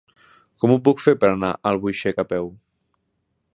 Com ho puc fer per anar a Albuixec a peu?